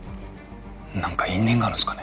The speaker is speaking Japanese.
何か因縁があるんすかね